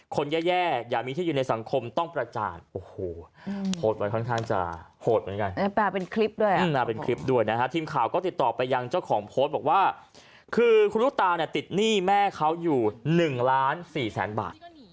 คือคุณลูกตาลติดหนี้แม่เขาอยู่๑๔๐๐๐๐๐บาท